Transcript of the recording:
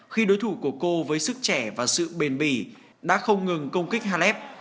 khi đối thủ của cô với sức trẻ và sự bền bỉ đã không ngừng công kích halef